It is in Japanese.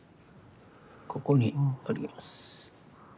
ここにおります。